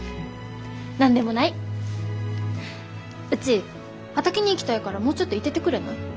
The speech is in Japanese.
うち畑に行きたいからもうちょっと居ててくれない？